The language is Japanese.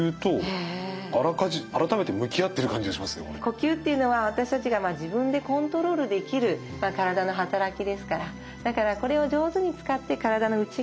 呼吸っていうのは私たちが自分でコントロールできる体の働きですからだからこれを上手に使って体の内側にメッセージを届ける。